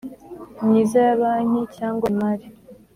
Myiza ya banki cyangwa imari